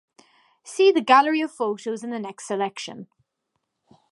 See the gallery of photos in the next section.